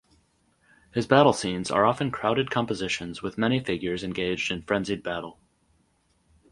His battle scenes are often crowded compositions with many figures engaged in frenzied battle.